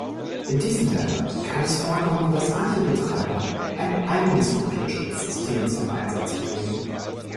In diesen Ländern kann es vorkommen, dass manche Betreiber ein eigenes Kopierschutzsystem zum Einsatz bringen.